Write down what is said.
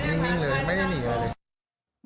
นิ่งเลยไม่ได้หนีอะไรเลย